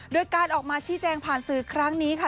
โดยการออกมาชี้แจงผ่านสื่อครั้งนี้ค่ะ